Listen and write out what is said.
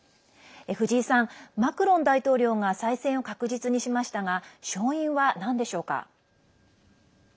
藤井さん、マクロン大統領が再選を確実にしましたが勝因は、なんでしょうか？